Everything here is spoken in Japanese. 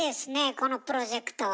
このプロジェクトは。